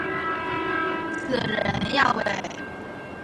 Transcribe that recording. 死人呀喂！